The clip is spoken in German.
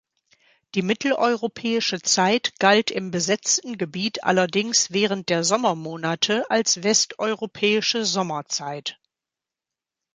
Die Mitteleuropäische Zeit galt im besetzten Gebiet allerdings während der Sommermonate als Westeuropäische Sommerzeit.